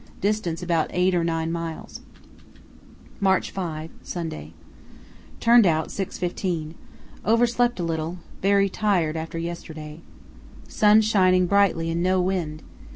Distance about eight or nine miles. "March 5, Sunday.—Turned out 6.15. Overslept a little; very tired after yesterday. Sun shining brightly and no wind.